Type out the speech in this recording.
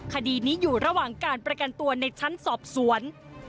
คดีนี้อยู่ระหว่างการประกันตัวในชั้นสอบสวน